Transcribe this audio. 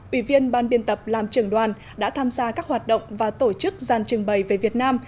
ủy viên ban biên tập làm trưởng đoàn đã tham gia các hoạt động và tổ chức gian trưng bày về việt nam